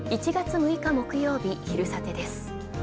１月６日木曜、「昼サテ」です。